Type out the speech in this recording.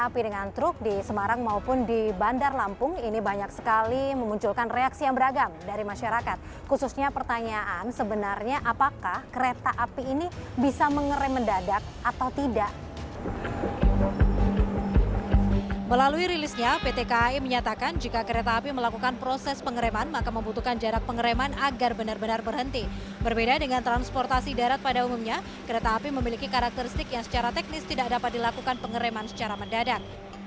berbeda dengan transportasi darat pada umumnya kereta api memiliki karakteristik yang secara teknis tidak dapat dilakukan pengereman secara mendadak